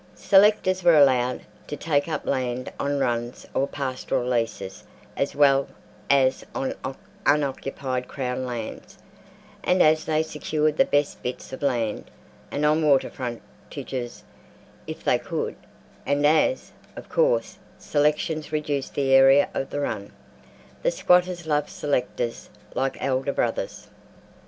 Selectors were allowed to take up land on runs or pastoral leases as well as on unoccupied Crown lands, and as they secured the best bits of land, and on water frontages if they could, and as, of course, selections reduced the area of the run, the squatters loved selectors like elder brothers.